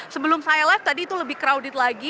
sebelum saya live tadi itu lebih crowded lagi